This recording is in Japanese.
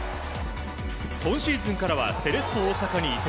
今シーズンからはセレッソ大阪に移籍。